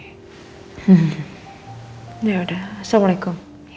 ya udah assalamualaikum